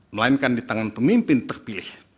melainkan di tangan pemimpin terpilih